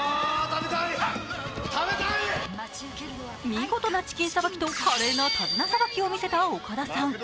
見事なチキンさばきと華麗な手綱さばきをみせた岡田さん。